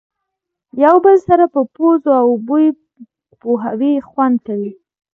یو بل سره په پوزو او بوی پوهوي خوند کوي.